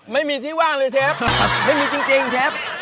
ไม่มีที่ว่างเลยเชฟไม่มีจริงเชฟ